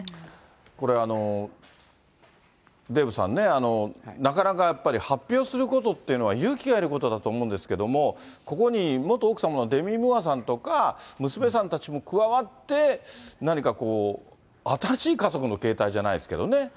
これ、デーブさんね、なかなかやっぱり発表することっていうのは、勇気がいることだと思うんですけども、ここに元奥様のデミ・ムーアさんとか、娘さんたちも加わって何かこう、新しい家族の形態じゃないですけどね。